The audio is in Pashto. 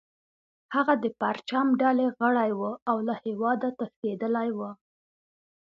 هغه د پرچم ډلې غړی و او له هیواده تښتیدلی و